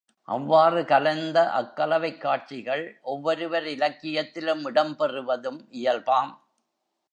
அவ்வாறு கலந்த அக் கலவைக் காட்சிகள் ஒவ்வொருவர் இலக்கியத்திலும் இடம் பெறுவதும் இயல்பாம்.